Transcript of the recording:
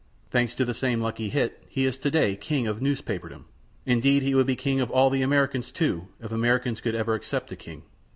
Thanks to the same lucky hit, he is to day king of newspaperdom; indeed, he would be king of all the Americans, too, if Americans could ever accept a king.